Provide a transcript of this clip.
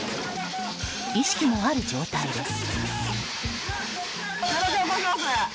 意識もある状態です。